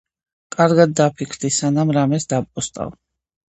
კარგად დაფიქრდი სანამ რამეს დაპოსტავ